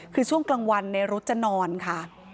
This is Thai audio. คือช่วงกลางวันในรถจะนอนค่ะ